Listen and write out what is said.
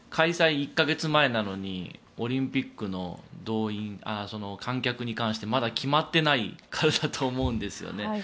１か月前なのにオリンピックの動員観客に関してまだ決まっていないからだと思うんですよね。